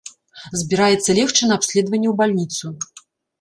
Збіраецца легчы на абследаванне ў бальніцу.